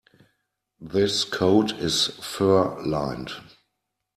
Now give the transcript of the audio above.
This coat is fur-lined.